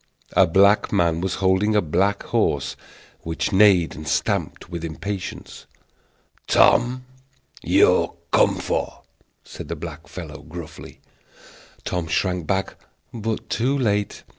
A black man was holding a black horse, which neighed and stamped with impatience. "Tom, you're come for," said the black fellow, gruffly. Tom shrank back, but too late.